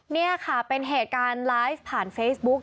นี่ค่ะเป็นเหตุการณ์ไลฟ์ผ่านเฟซบุ๊ก